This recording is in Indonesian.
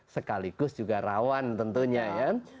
sekaligus juga rawan tentunya ya